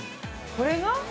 ◆これが！？